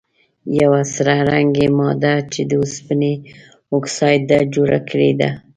یوه سره رنګې ماده چې د اوسپنې اکسایډ ده جوړه کړي ده.